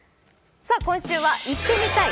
今週は「行ってみたい！